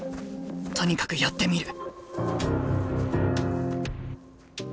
とにかくやってみる。